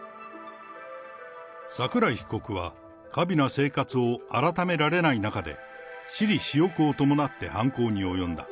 桜井被告は、華美な生活を改められない中で、私利私欲を伴って犯行に及んだ。